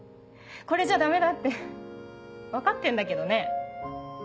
これじゃダメだって分かってんだけどね。